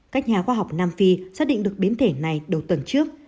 các nhà khoa học nam phi xác định được biến thể này đầu tuần trước